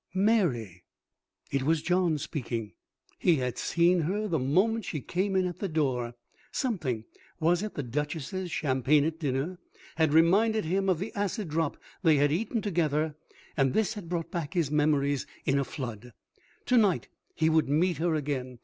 "Mary!" It was John speaking. He had seen her the moment she came in at the door. Something was it the Duchess's champagne at dinner? had reminded him of the acid drop they had eaten together and this had brought back his memories in a flood. To night he would meet her again.